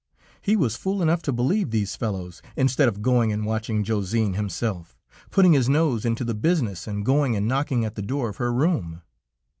He was fool enough to believe these fellows, instead of going and watching Josine himself, putting his nose into the business and going and knocking at the door of her room.